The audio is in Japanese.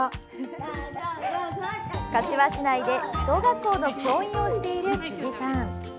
柏市内で小学校の教員をしている辻さん。